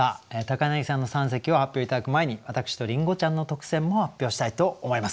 柳さんの三席を発表頂く前に私とりんごちゃんの特選も発表したいと思います。